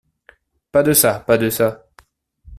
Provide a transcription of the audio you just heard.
Pas de ça, pas de ça.